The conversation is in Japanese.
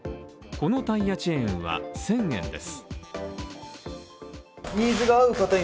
このタイヤチェーンは１０００円です。